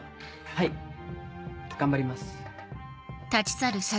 はい頑張ります。